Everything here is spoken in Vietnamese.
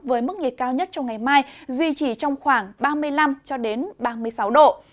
với mức nhiệt cao nhất trong ngày mai duy trì trong khoảng ba mươi năm ba mươi sáu độ